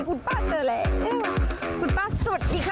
คุณป้าเจอแหละคุณป้าสวัสดีค่ะ